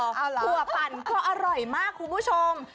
ถั่วปั่นเพราะอร่อยมากคุณผู้ชม